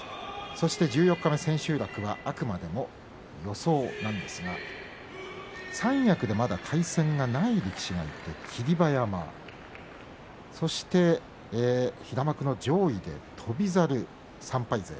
そして十四日目、千秋楽はあくまでも予想はなんですが三役でまだ対戦がない力士がいて霧馬山、そして平幕の上位で翔猿３敗勢。